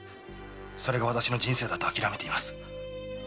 それが私の人生だと諦めています。